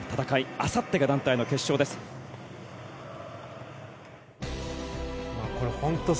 あさってが団体の決勝です。